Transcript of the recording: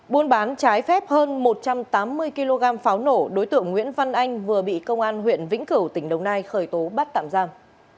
buôn bán trái phép hơn một trăm tám mươi kg pháo nổ đối tượng nguyễn văn anh vừa bị công an huyện vĩnh cửu tỉnh đồng nai khởi tố bắt tạm giam